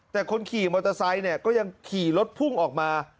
แต่คนขี่มอเตอร์ไซค์เนี่ยก็ยังขี่รถพุ่งออกมา